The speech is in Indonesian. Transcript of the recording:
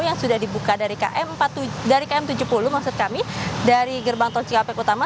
yang sudah dibuka dari km tujuh puluh dari gerbang tol cikatama